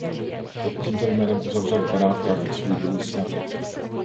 Pod tímto jménem uzavřel v Benátkách i svůj druhý sňatek.